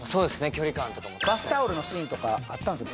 距離感とかもバスタオルのシーンとかあったんですよ